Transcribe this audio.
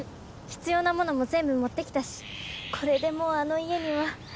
必要なものも全部持ってきたしこれでもうあの家には。